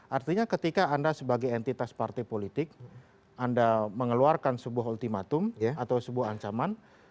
artinya ketika anda sebagai entitas partai politik anda mengeluarkan sebuah ultimatum atau sebuah ancaman